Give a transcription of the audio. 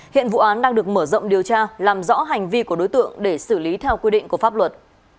hiện vụ án đang được mở rộng điều tra làm rõ hành vi của đối tượng để xử lý theo quy định của pháp luật